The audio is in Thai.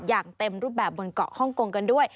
อย่างเต็มรูปแบบบนเกาะฮ่องกงกันด้วย